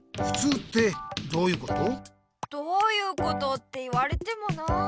「どういうこと？」って言われてもなあ。